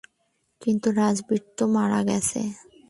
কিন্তু রাজবীর তো মারা গেছে।